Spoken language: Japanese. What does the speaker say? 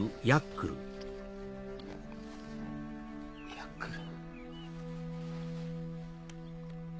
ヤックル。